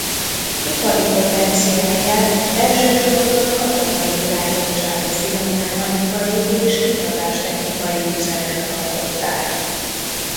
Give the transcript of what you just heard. Ipari potenciálját elsősorban katonai irányultságú finommechanikai és híradástechnikai üzemek alkották.